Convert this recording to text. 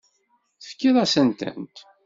Tefkiḍ-asent-tent.